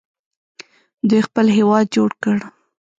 دوی خپل هیواد جوړ کړ.